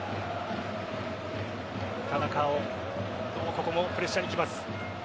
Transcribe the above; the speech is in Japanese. ここもプレッシャーに来ます。